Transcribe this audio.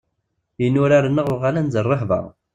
Inurar-nneɣ uɣalen d rrehba.